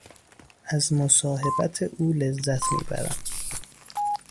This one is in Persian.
از مصاحبت او لذت میبرم.